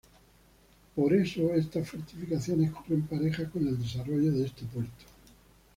Por eso estas fortificaciones corren parejas con el desarrollo de este puerto.